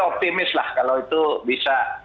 optimis lah kalau itu bisa